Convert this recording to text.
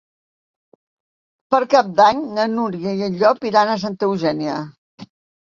Per Cap d'Any na Núria i en Llop iran a Santa Eugènia.